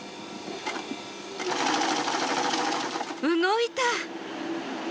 動いた！